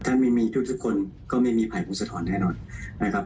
ถ้าไม่มีทุกคนก็ไม่มีภัยพงศธรแน่นอนนะครับ